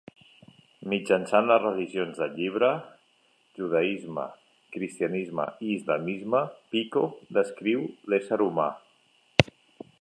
Mitjançant les «religions del Llibre», judaisme, cristianisme i islamisme, Pico descriu l'ésser humà.